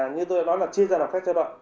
như tôi đã nói là chia ra là phép theo đoạn